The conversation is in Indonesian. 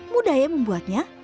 mudah ya membuatnya